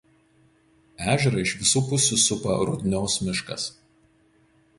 Ežerą iš visų pusių supa Rudnios miškas.